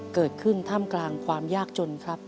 เกิดขึ้นท่ามกลางความยากจนครับ